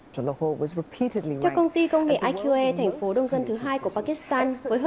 theo công ty công nghệ iqa thành phố đông dân thứ hai của pakistan